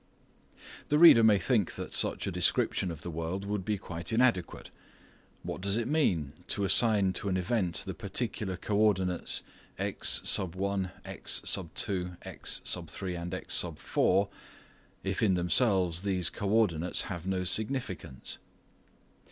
The reader may think that such a description of the world would be quite inadequate. What does it mean to assign to an event the particular co ordinates x, x, x, x, if in themselves these co ordinates have no significance